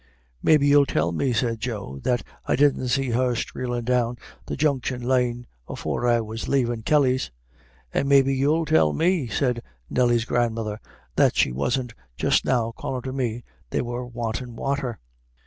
"Maybe you'll tell me," said Joe, "that I didn't see her streelin' down the Junction lane afore I was lavin' Kellys'." "And maybe you'll tell me," said Nelly's grandmother, "that she wasn't just now callin' to me they were wantin' wather.